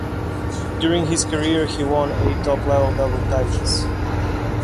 During his career, he won eight top-level doubles titles.